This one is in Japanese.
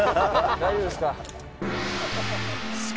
大丈夫ですか？